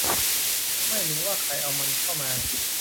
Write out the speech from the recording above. ไม่รู้ว่าใครเอามันเข้ามา